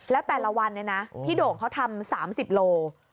แล้วแต่ละวันเนี่ยนะพี่โด่งเขาทำ๓๐โล